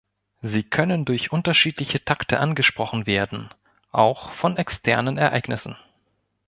Sie können durch unterschiedliche Takte angesprochen werden, auch von externen Ereignissen.